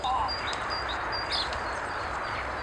په لاس لیکلنه د تیرو یادونو د ژوندي ساتلو لاره ده.